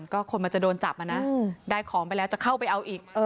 ก็คนมันจะโดนจับนะได้ของไปแล้วจะเข้าไปเอาอีก